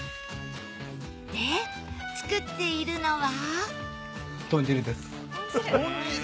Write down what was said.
で作っているのは？